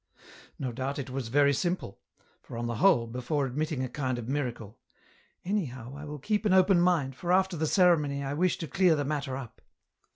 No doubt it was very simple ; for on the whole, before admitting a kind of miracle ..." anyhow, I will keep an open mind, for after the ceremony I wish to clear the matter up."